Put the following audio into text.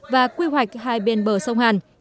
và quy hoạch hai bên bờ sông hàn